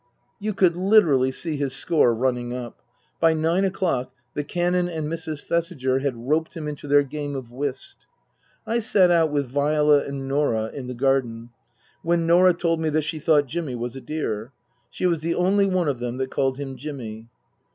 You could literally see his score running up. By nine o'clock the Canon and Mrs. Thesiger had roped him into their game of whist. I sat out with Viola and Norah in the garden, when Norah told us that she thought Jimmy was a dear. She was the only one of them that called him Jimmy.